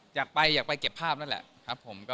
อยากไปอยากไปเก็บภาพนั่นแหละครับผม